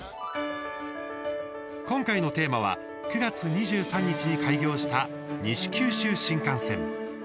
今回のテーマは、９月２３日に開業した西九州新幹線。